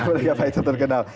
karena mereka fighter terkenal